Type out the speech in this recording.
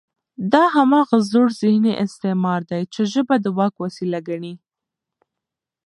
دا هماغه زوړ ذهني استعمار دی، چې ژبه د واک وسیله ګڼي